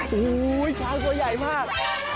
โอ้โหช้างตัวใหญ่มาก